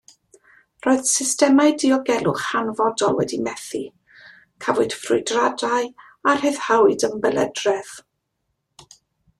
Roedd systemau diogelwch hanfodol wedi methu, cafwyd ffrwydradau a rhyddhawyd ymbelydredd.